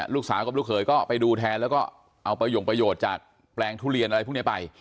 ลูกสาวกับลูกเขยก็ไปดูแทนแล้วก็เอาประโยงประโยชน์จากแปลงทุเรียนอะไรพวกนี้ไป